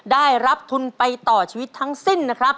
ได้รับทุนไปต่อชีวิตทั้งสิ้นนะครับ